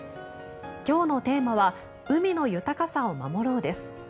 今日のテーマは「海の豊かさを守ろう」です。